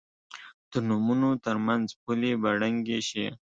د نومونو تر منځ پولې به ړنګې شي.